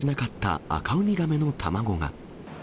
ふ化しなかったアカウミガメの卵が。